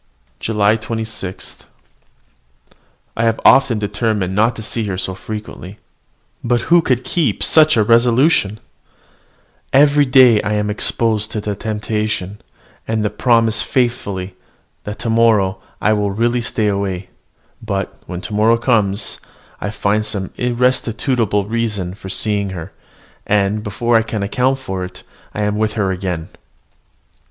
JULY 26. I have often determined not to see her so frequently. But who could keep such a resolution? Every day I am exposed to the temptation, and promise faithfully that to morrow I will really stay away: but, when tomorrow comes, I find some irresistible reason for seeing her; and, before I can account for it, I am with her again.